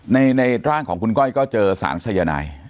ในร่างของคุณก้อยก็เจอสารสายนาย